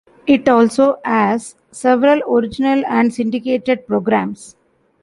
It also airs several original and syndicated programs.